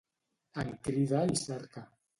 En crida i cerca.